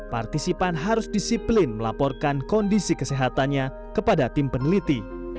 partisipan harus disiplin melaporkan kondisi kesehatannya kepada tim peneliti